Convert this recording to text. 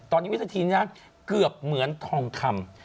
ตอนนี้วินาทีนี้นะเกือบเหมือนทองคำ